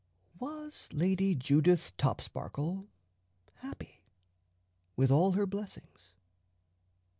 Was Lady Judith Topsparkle happy, with all her blessings?